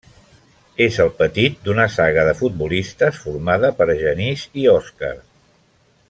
És el petit d'una saga de futbolistes formada per Genís i Òscar.